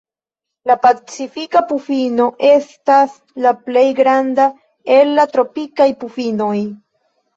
La Pacifika pufino estas la plej granda el la tropikaj pufinoj.